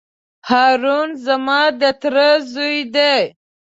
هارون زما د تره زوی دی.